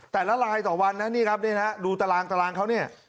แต่ละรายต่อวันนะนี่ครับดูตารางเขาเนี่ย